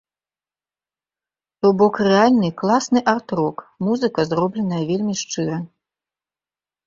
То бок рэальны, класны арт-рок, музыка, зробленая вельмі шчыра.